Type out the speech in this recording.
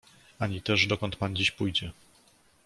"Ani też, dokąd Pan dziś pójdzie."